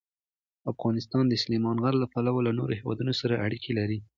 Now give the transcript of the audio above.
افغانستان د سلیمان غر له پلوه له نورو هېوادونو سره اړیکې لري.